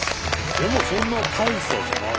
でもそんな大差じゃない。